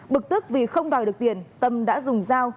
bực tức vì không đòi được tiền tâm đã dùng dao